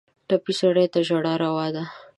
ټپي سړی ته ژړا روا ده.